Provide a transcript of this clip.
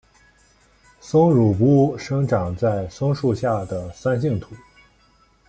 松乳菇生长在松树下的酸性土。